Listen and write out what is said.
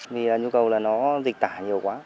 vì nhu cầu là nó dịch tả nhiều quá